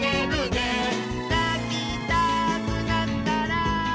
「なきたくなったら」